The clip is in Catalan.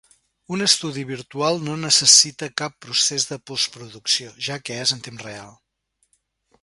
Un estudi virtual no necessita cap procés de postproducció, ja que és en temps real.